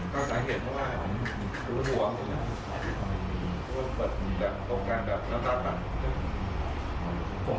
มีแปลง